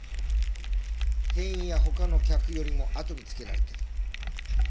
店員や他の客よりも後に付けられてる。